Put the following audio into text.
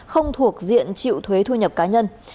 không thuộc diện chịu thuế thu nhập cá nhân